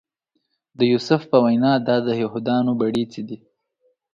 د یوسف په وینا دا د یهودانو بړیڅي دي.